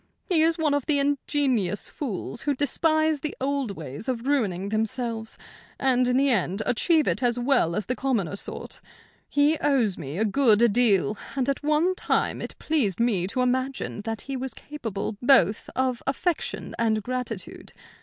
He is one of the ingenious fools who despise the old ways of ruining themselves, and in the end achieve it as well as the commoner sort. He owes me a good deal, and at one time it pleased me to imagine that he was capable both of affection and gratitude.